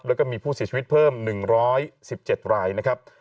แล้วก็มีผู้เสียชีวิตเพิ่ม๑๑๗รายนะครับ